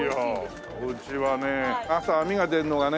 うちはね朝あみが出るのがね